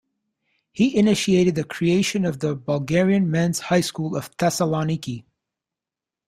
He initiated the creation of the Bulgarian Men's High School of Thessaloniki.